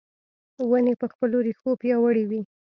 ونې په خپلو رېښو پیاوړې وي .